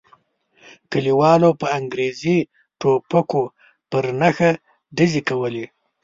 کلیوالو په انګریزي ټوپکو پر نښه ډزې کولې.